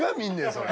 それ。